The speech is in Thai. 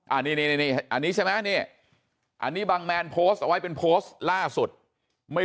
อันนี้ใช่ไหมอันนี้บังแมนโพสต์เอาไว้เป็นโพสต์ล่าสุดไม่